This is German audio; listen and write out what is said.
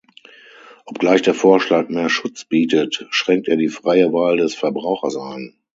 Obgleich der Vorschlag mehr Schutz bietet, schränkt er die freie Wahl des Verbrauchers ein.